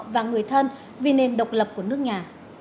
và người thân vì nền độc lập của nước nhà